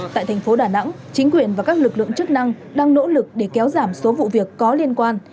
tại thành phố đà nẵng chính quyền và các lực lượng chức năng đang nỗ lực để kéo giảm số vụ việc có liên quan